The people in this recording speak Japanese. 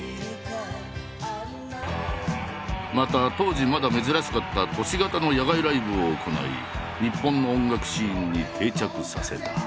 また当時まだ珍しかった都市型の野外ライブを行い日本の音楽シーンに定着させた。